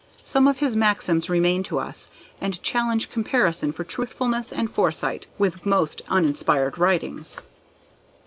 Some of his maxims remain to us, and challenge comparison for truthfulness and foresight with most uninspired writings.